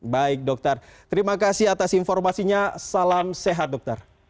baik dokter terima kasih atas informasinya salam sehat dokter